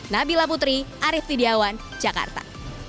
nabila putri arief tidiawan jakarta